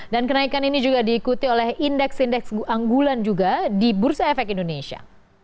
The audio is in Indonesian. dan kenaikan ini juga diikuti oleh indeks indeks anggulan juga di bursa efek indonesia